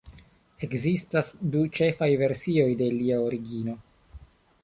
Ekzistas du ĉefaj versioj de lia origino.